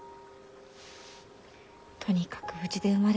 とにかく無事で生まれてって。